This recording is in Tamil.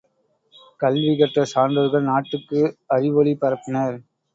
கல்வி கற்ற சான்றோர்கள் நாட்டுக்கு அறிவொளி பரப்பினர்.